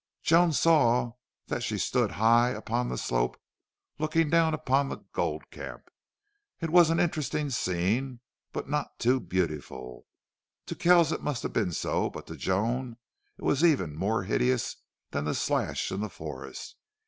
Joan saw that she stood high up on the slope, looking down upon the gold camp. It was an interesting scene, but not beautiful. To Kells it must have been so, but to Joan it was even more hideous than the slash in the forest.